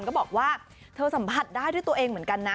ก็บอกว่าเธอสัมผัสได้ด้วยตัวเองเหมือนกันนะ